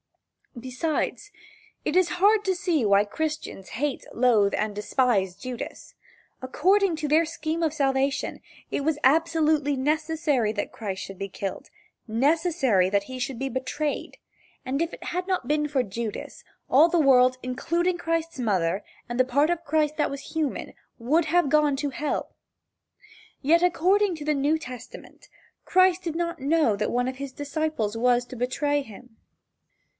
Besides, it is hard to see why Christians hate, loathe and despise Judas. According to their scheme of salvation, it was absolutely necessary that Christ should be killed necessary that he should be betrayed, and had it not been for Judas, all the world, including Christ's mother, and the part of Christ that was human, would have gone to hell. Yet, according to the New Testament, Christ did not know that one of his disciples was to betray him.